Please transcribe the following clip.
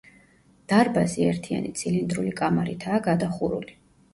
დარბაზი ერთიანი ცილინდრული კამარითაა გადახურული.